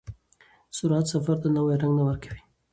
سرعت سفر ته نوی رنګ نه ورکوي.